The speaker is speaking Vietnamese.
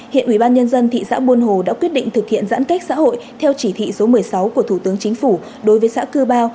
hiện ubnd thị xã buôn hồ đã quyết định thực hiện giãn cách xã hội theo chỉ thị số một mươi sáu của thủ tướng chính phủ đối với xã cư bao